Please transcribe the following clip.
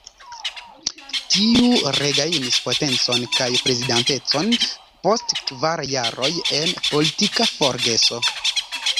Tiu regajnis potencon kaj prezidantecon post kvar jaroj en politika forgeso.